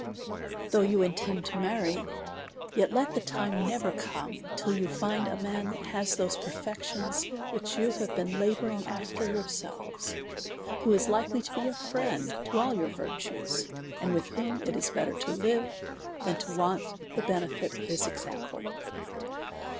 Though you intend to marry, yet let the time never come till you find a man tlmt has those perfections, which you have been labouring after yourselves ; who is likely to be a friend to all your virtues, and with whom it is better to live, than to want the benefit of his example.